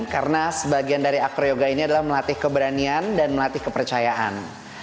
karena sebagian dari acroyoga ini adalah melatih keberanian dan melatih kepercayaan